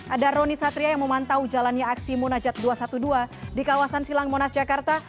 ada roni satria yang memantau jalannya aksi munajat dua ratus dua belas di kawasan silang monas jakarta